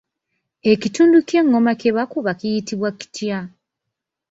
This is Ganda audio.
Ekitundu ky’engoma kye bakubako kiyitibwa kitya?